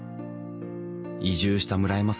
移住した村山さん。